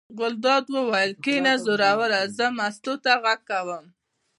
ګلداد وویل: کېنه زوروره زه مستو ته غږ کوم.